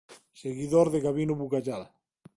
Seguidor de Gabino Bugallal.